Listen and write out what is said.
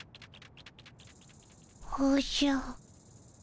おじゃ。